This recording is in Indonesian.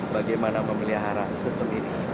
bagaimana memelihara sistem ini